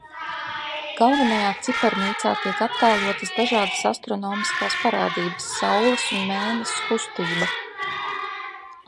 Galvenajā ciparnīcā tiek attēlotas dažādas astronomiskās parādības, Saules un Mēness kustība.